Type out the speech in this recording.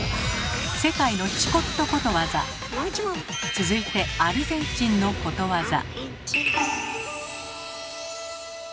続いてアルゼンチンのことわざ。